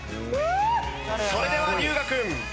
それでは龍我君。